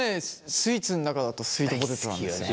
スイーツの中だとスイートポテトなんだよね。